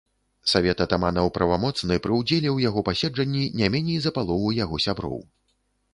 Савет атаманаў правамоцны пры ўдзеле ў яго пасяджэнні не меней за палову яго сяброў.